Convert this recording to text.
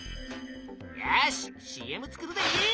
よしＣＭ作るで！